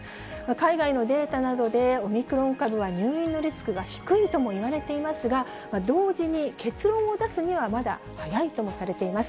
海外のデータなどでオミクロン株は入院のリスクが低いともいわれていますが、同時に結論を出すにはまだ早いともされています。